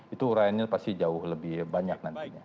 itu uraiannya pasti jauh lebih banyak nantinya